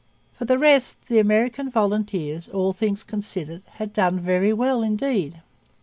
For the rest, the American volunteers, all things considered, had done very well indeed.